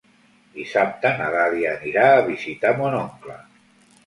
Dissabte na Dàlia anirà a visitar mon oncle.